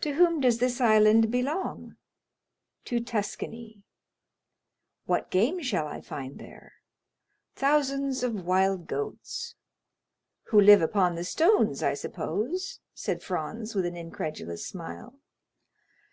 "To whom does this island belong?" "To Tuscany." "What game shall I find there!" "Thousands of wild goats." "Who live upon the stones, I suppose," said Franz with an incredulous smile.